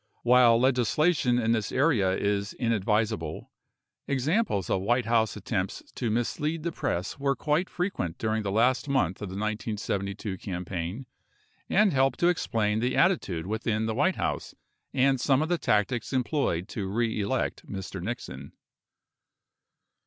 While legislation in this area is inadvisable, examples of White House attempts to mislead the press were quite frequent during the last month of the 1972 campaign and help to ex plain the attitude within the White House and some of the tactics emploved to reelect Mr. Nixon.